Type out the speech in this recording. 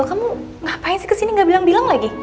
kamu ngapain sih kesini gak bilang bilang lagi